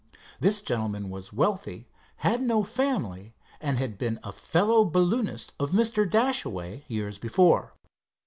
This gentleman was wealthy, had no family, and had been a fellow balloonist of Mr. Dashaway, years before.